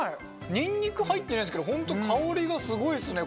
ニンニク入ってないんですけどホント香りがすごいですね。